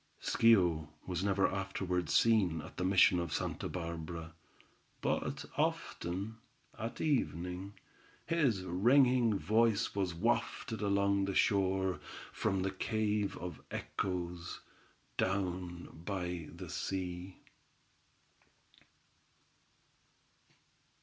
Schio was never afterward seen at the mission of Santa Barbara, but often, at evening, his ringing voice was wafted along the shore, from the cave of echoes, down by the sea.